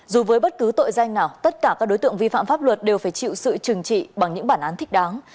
dù với bất cứ tội danh nào tất cả các đối tượng vi phạm pháp luật đều phải chịu sự trừng trị bằng những bản án thích đáng